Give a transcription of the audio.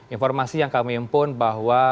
informasi yang kami impun bahwa